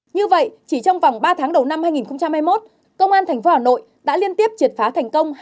như vậy chỉ trong vòng ba tháng đầu năm hai nghìn hai mươi một công an tp hà nội đã liên tiếp triệt phá thành công